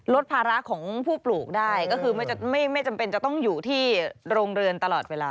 ภาระของผู้ปลูกได้ก็คือไม่จำเป็นจะต้องอยู่ที่โรงเรือนตลอดเวลา